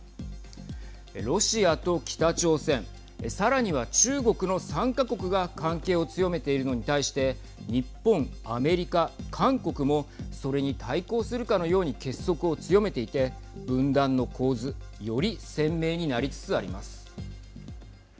ロシアと北朝鮮、さらには中国の３か国が関係を強めているのに対して日本、アメリカ、韓国もそれに対抗するかのように結束を強めていて分断の構図より鮮明になりつつあります。